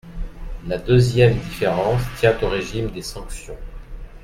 La deuxième différence tient au régime des sanctions.